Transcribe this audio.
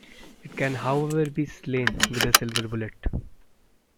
It can however, be slain with a silver bullet.